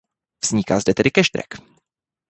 Vzniká zde tedy cash drag.